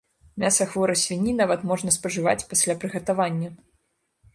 Мяса хворай свінні нават можна спажываць пасля прыгатавання.